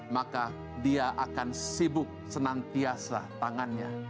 maka dia akan sibuk senantiasa tangannya